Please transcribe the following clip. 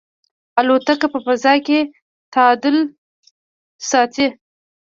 الوتکه په فضا کې تعادل ساتي.